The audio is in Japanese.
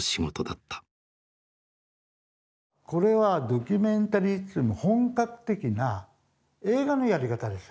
これはドキュメンタリーと言っても本格的な映画のやり方ですよ。